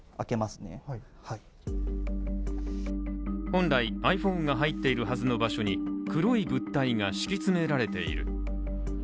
本来、ｉＰｈｏｎｅが入っているはずの場所に黒い物体が敷き詰められている。